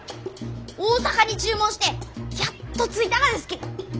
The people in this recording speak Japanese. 大阪に注文してやっと着いたがですき！